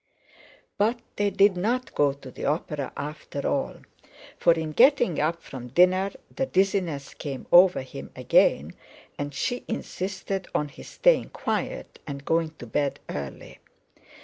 But they did not go to the opera after all, for in getting up from dinner the dizziness came over him again, and she insisted on his staying quiet and going to bed early.